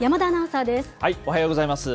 おはようございます。